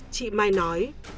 chị my nói